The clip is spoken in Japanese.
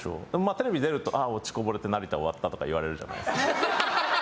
テレビ出るとあっ落ちこぼれて成田終わったとか言われるじゃないですか。